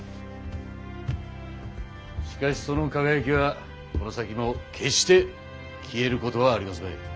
しかしその輝きはこの先も決して消えることはありますまい。